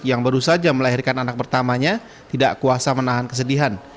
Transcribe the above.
yang baru saja melahirkan anak pertamanya tidak kuasa menahan kesedihan